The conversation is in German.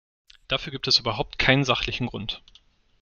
Dafür gibt es überhaupt keinen sachlichen Grund.